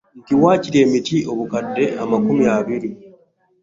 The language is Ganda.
Nti waakiri emiti obukadde amakumi abiri